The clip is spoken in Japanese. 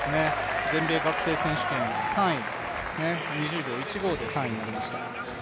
全米学生選手権、２０秒１５で３位になりました。